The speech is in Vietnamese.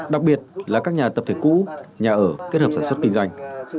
đặc biệt là các nhà tập thể cũ nhà ở kết hợp sản xuất kinh doanh